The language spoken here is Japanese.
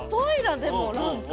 でも何か。